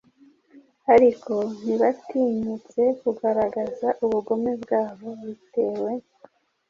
ariko ntibatinyutse kugaragaza ubugome bwabo bitewe